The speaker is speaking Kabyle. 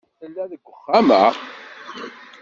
Tella deg uxxam-a.